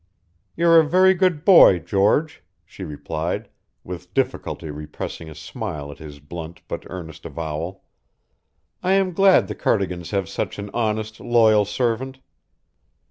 "You're a very good boy, George," she replied, with difficulty repressing a smile at his blunt but earnest avowal. "I am glad the Cardigans have such an honest, loyal servant."